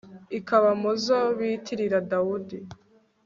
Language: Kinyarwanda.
ikaba mu zo bitirira dawudi